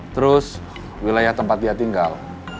terus wilayah tempat dia tinggal